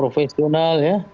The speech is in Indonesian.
mungkin masuk di dalamnya